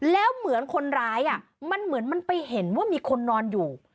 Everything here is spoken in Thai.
แล้วเหมือนคนร้ายมันเหมือนมันไปเห็นว่ามีคนนอนอยู่